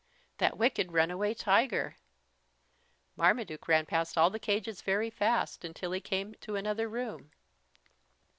That wicked runaway tiger! Marmaduke ran past all the cages very fast until he came to another room.